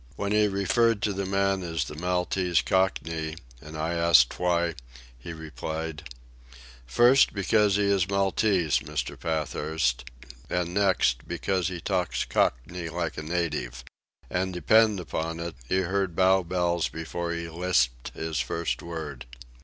When he referred to the man as the Maltese Cockney, and I asked why, he replied: "First, because he is Maltese, Mr. Pathurst; and next, because he talks Cockney like a native. And depend upon it, he heard Bow Bells before he lisped his first word."